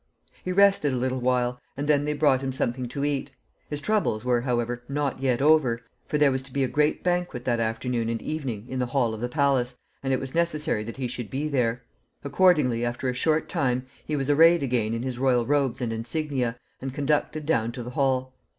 He rested a little while, and then they brought him something to eat. His troubles were, however, not yet over, for there was to be a great banquet that afternoon and evening in the hall of the palace, and it was necessary that he should be there. Accordingly, after a short time, he was arrayed again in his royal robes and insignia, and conducted down to the hall.